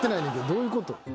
どういうこと？